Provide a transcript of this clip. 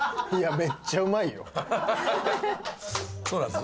めっちゃうまいです。